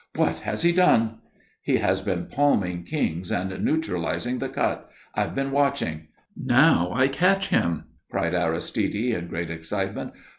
"What has he done?" "He has been palming kings and neutralizing the cut. I've been watching. Now I catch him," cried Aristide in great excitement.